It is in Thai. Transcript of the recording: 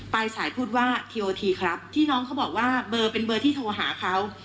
ปลายสายพูดว่าทีโอทีครับที่น้องเขาบอกว่าเบอร์เป็นเบอร์ที่โทรหาเขา